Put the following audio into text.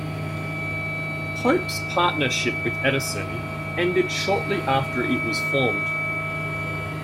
Pope's partnership with Edison ended shortly after it was formed.